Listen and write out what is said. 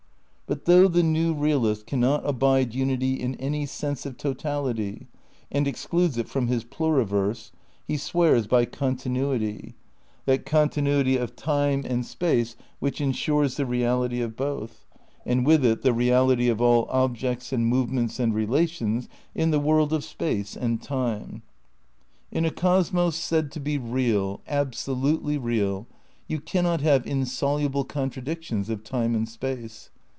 But though the new realist cannot abide unity in any sense of totality, and excludes it from his pluriverse, he swears by continuity: that continuity of time and space which ensures the reality of both, and with it the reality of all objects and movements and relations in the world of space and time. In a cosmos said to be 18 THE NEW IDEALISM n real, absolutely real, you cannot have insoluble contra dictions of time and space.